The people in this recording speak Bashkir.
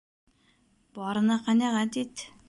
Барына ҡәнәғәт ит